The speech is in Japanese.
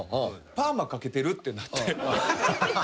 パーマかけてるってなって。